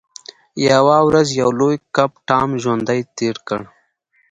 یوه ورځ یو لوی کب ټام ژوندی تیر کړ.